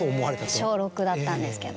小６だったんですけど。